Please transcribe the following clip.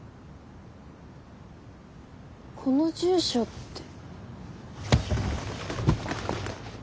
この住所って。